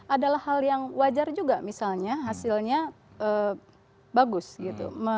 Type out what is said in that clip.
adalah hal yang wajar juga misalnya hasilnya bagus gitu